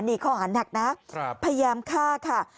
นี่ข้อหานักนะพยายามฆ่าค่ะ